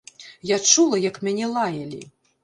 Я чула, як мяне лаялі.